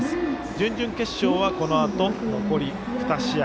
準々決勝は、このあと残り２試合。